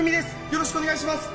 よろしくお願いします。